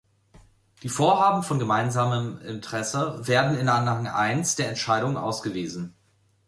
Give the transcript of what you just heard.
Die Vorhaben von gemeinsamem Interesse werden in Anhang I der Entscheidung ausgewiesen.